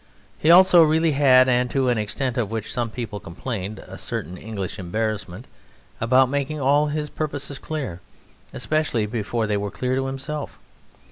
He also really had, and to an extent of which some people complained, a certain English embarrassment about making all his purposes clear, especially before they were clear to himself.